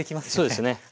そうですね。